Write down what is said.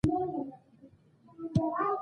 د ځوانو بچیانو د روزنې چارې پر مخ ویوړې.